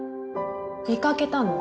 見掛けたの。